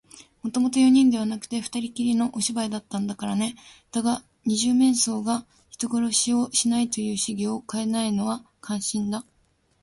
もともと四人ではなくて、ふたりきりのお芝居だったんだからね。だが、二十面相が人殺しをしないという主義をかえないのは感心だ。